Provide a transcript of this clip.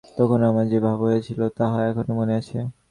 তখন আমার যে ভাব হইয়াছিল, তাহা এখনও মনে আছে।